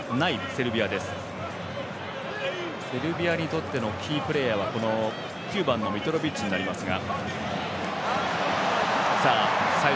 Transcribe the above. セルビアにとってのキープレーヤーは９番のミトロビッチになりますが。